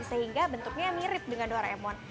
sehingga bentuknya mirip dengan doraemon